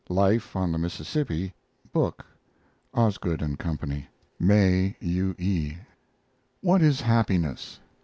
LIFE ON THE Mississippi book (Osgood R CO.), May. U. E. WHAT Is HAPPINESS?